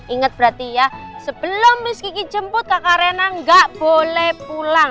ingat berarti ya sebelum miss gigi jemput kak karena nggak boleh pulang